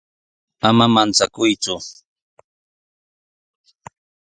Ama manchakuyku.